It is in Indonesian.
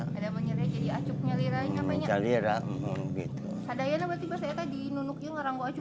tadanya berarti pas ayah tadi di nunuknya ngeranggok aja